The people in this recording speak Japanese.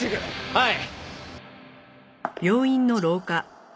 はい！